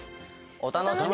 お楽しみに。